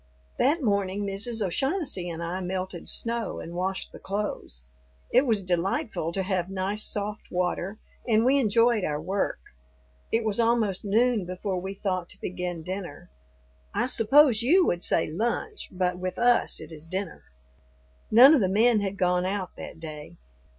That morning Mrs. O'Shaughnessy and I melted snow and washed the clothes. It was delightful to have nice soft water, and we enjoyed our work; it was almost noon before we thought to begin dinner. I suppose you would say lunch, but with us it is dinner. None of the men had gone out that day.